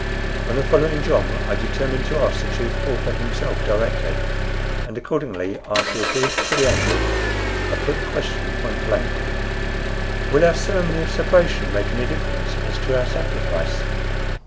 On the following jom I determined to ask the Chief Pauper himself directly; and accordingly, after a brief preamble, I put the question point blank: "Will our ceremony of separation make any difference as to our sacrifice?"